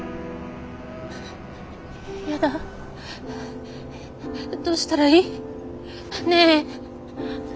嫌だどうしたらいい？ねえ！